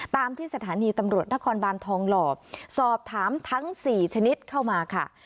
ตามที่สถานีตำรวจนครบานทองหล่อสอบถามทั้ง๔ชนิดเข้ามาค่ะ